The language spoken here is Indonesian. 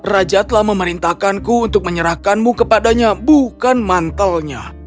raja telah memerintahkanku untuk menyerahkanmu kepadanya bukan mantelnya